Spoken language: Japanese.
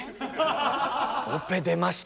オペ出ました